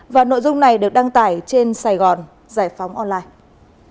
và nội dung này được đăng tải trên sài gòn giải phóng online